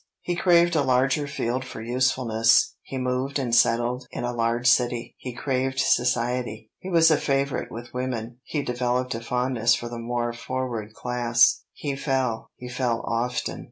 He craved a larger field for usefulness, he moved and settled in a large city; he craved society, he was a favorite with women; he developed a fondness for the more forward class. He fell; he fell often.